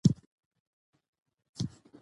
مېلې د خلکو ترمنځ د باور فضا رامنځ ته کوي.